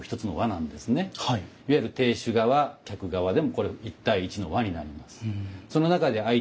いわゆる亭主側客側でもこれ一対一の和になります。